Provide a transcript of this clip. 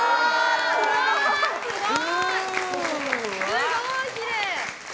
すごい、きれい！